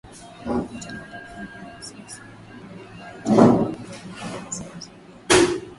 watakapofanya sasa hivi wala haitakuwa haja kama vile sehemu zingine